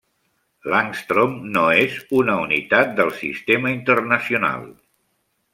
L'àngstrom no és una unitat del Sistema Internacional.